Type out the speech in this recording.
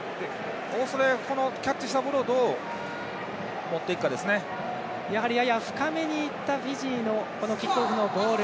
このキャッチしたボールをどう持っていくかですね。やや深めにいったフィジーのキックオフのボール。